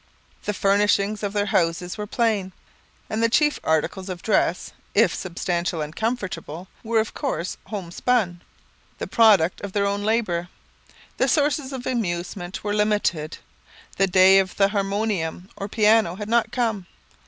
The furnishings of their houses were plain, and the chief articles of dress, if substantial and comfortable, were of coarse homespun the product of their own labour. The sources of amusement were limited. The day of the harmonium or piano had not come.